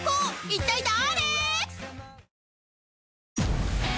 一体誰！？